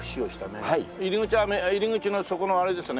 入り口のそこのあれですね。